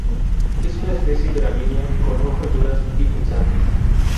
Es una especie gramínea, con hojas duras y punzantes.